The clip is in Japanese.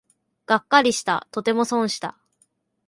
がっかりした、とても損した